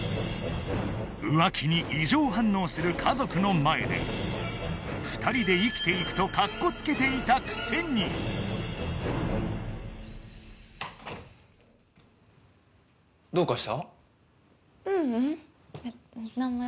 浮気に異常反応する家族の前で２人で生きていくとカッコつけていたくせにどうかした？